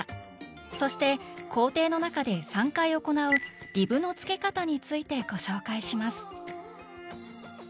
そして工程の中で３回行う「リブのつけかた」についてご紹介します